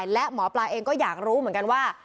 และหมอปลาเองก็อยากรู้เหมือนกันว่า